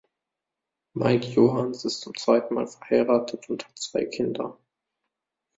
Mike Johanns ist zum zweiten Mal verheiratet und hat zwei Kinder.